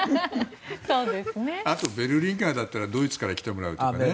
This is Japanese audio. あとベルリンガーならドイツから来てもらうとかね。